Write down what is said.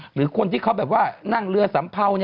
หรือคนที่เขาแบบว่านั่งเรือสัมเภา